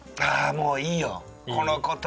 もういいよ